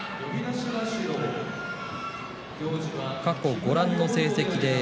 過去ご覧の成績です。